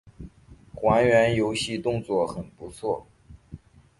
还原游戏动作很不错